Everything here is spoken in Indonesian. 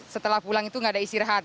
setelah pulang itu nggak ada istirahat